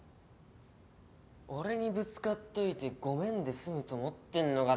俺にぶつかっといてごめんで済むと思ってんのか？